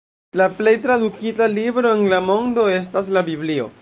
La plej tradukita libro en la mondo estas la Biblio.